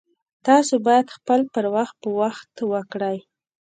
تاسو باید خپل پر وخت په وخت وکړئ